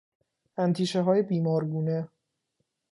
اندیشههای بیمارگونه